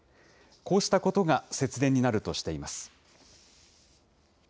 こうしたことが節電になるとしています。